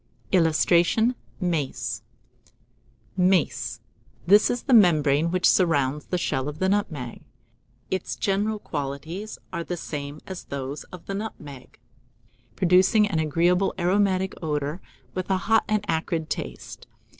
[Illustration: MACE.] MACE. This is the membrane which surrounds the shell of the nutmeg. Its general qualities are the same as those of the nutmeg, producing an agreeable aromatic odour, with a hot and acrid taste.